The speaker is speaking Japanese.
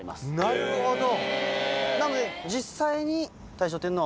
なるほど！